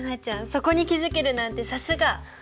そこに気付けるなんてさすが。